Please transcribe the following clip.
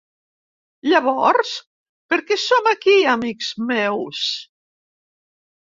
Llavors, per què som aquí, amics meus?